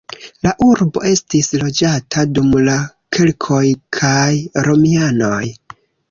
La urbo estis loĝata dum la keltoj kaj romianoj.